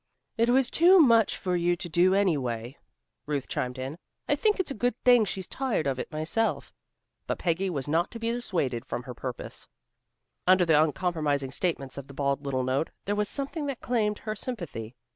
"It was too much for you to do anyway," Ruth chimed in. "I think it's a good thing she's tired of it, myself." But Peggy was not to be dissuaded from her purpose. Under the uncompromising statements of the bald little note, there was something that claimed her sympathy.